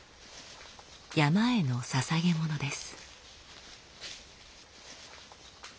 山への捧げ物です。